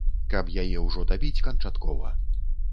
Каб яе ўжо дабіць канчаткова.